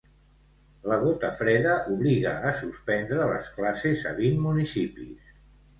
La gota freda obliga a suspendre les classes a vint municipis.